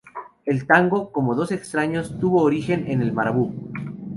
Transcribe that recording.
El tango "Como dos extraños" tuvo origen en el Marabú.